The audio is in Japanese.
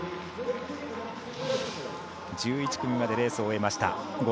１１組までレースを終えました。